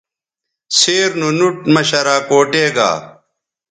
سیر نو نُوٹ مہ شراکوٹے گا